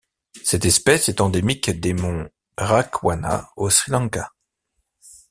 Cette espèce est endémique des monts Rakwana au Sri Lanka.